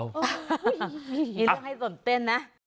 นี่ซึ่งให้สนเต้นนะ